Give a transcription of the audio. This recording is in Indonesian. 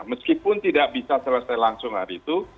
meskipun tidak bisa selesai langsung hari itu